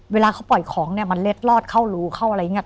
เวลาเขาปล่อยของเนี่ยมันเล็ดลอดเข้ารูเข้าอะไรอย่างนี้